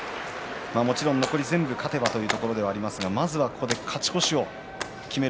もちろん残り全部勝てばというところでありますがまずはここで勝ち越しを決める